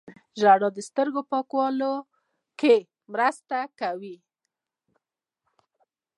ژړا د سترګو پاکولو کې مرسته کوي